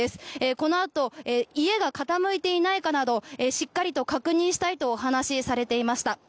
このあと家が傾いていないかなどしっかりと確認したいとお話しされていました。